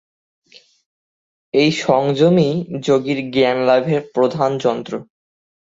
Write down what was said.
এই সংযমই যোগীর জ্ঞানলাভের প্রধান যন্ত্র।